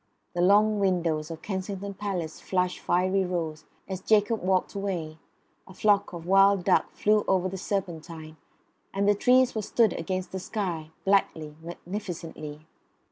The long windows of Kensington Palace flushed fiery rose as Jacob walked away; a flock of wild duck flew over the Serpentine; and the trees were stood against the sky, blackly, magnificently.